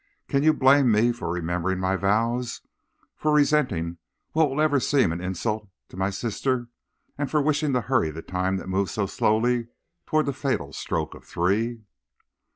Can you blame me for remembering my vows, for resenting what will ever seem an insult to my sister, and for wishing to hurry the time that moves so slowly toward the fatal stroke of three?'